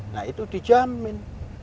nah itu dijamin